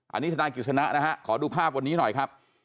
อันนี้ทนายกฤษณะนะฮะขอดูภาพวันนี้หน่อยครับ